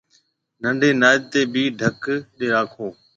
ننڊِي نادِي تيَ ڀِي ڍڪ ڏَي راکو